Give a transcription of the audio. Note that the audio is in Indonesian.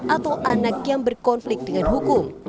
atau anak yang berkonflik dengan hukum